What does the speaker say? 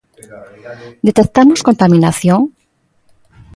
¿Detectamos contaminación?